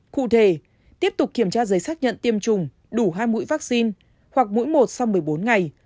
cụ thể tiếp tục kiểm tra giấy xác nhận tiêm chủng đủ hai mũi vaccine hoặc mũi một sau một mươi bốn ngày